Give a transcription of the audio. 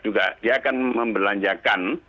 juga dia akan membelanjakan